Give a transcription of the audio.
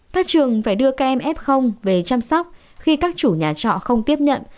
các trường phải đưa các em f về chăm sóc khi các chủ nhà trọ không tiếp nhận